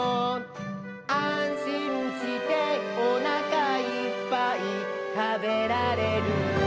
「あんしんしておなかいっぱいたべられる」